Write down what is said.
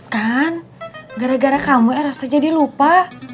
kan gara gara kamu eros aja dilupa